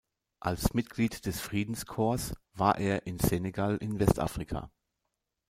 Als Mitglied des Friedenscorps war er in Senegal in Westafrika.